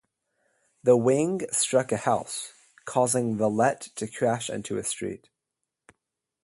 The wing struck a house, causing the Let to crash into a street.